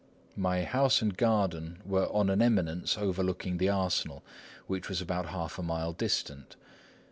My house and garden were on an eminence overlooking the arsenal, which was about half a mile distant.